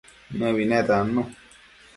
Nëbi netannu